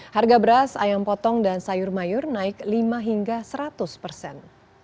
harga beras ayam potong dan sayur mayur naik lima hingga seratus persen